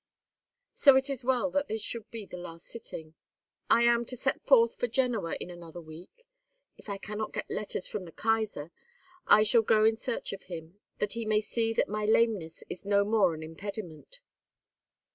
"So is it well that this should be the last sitting. I am to set forth for Genoa in another week. If I cannot get letters from the Kaisar, I shall go in search of him, that he may see that my lameness is no more an impediment."